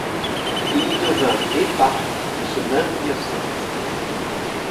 En il devient éparque de ce même diocèse.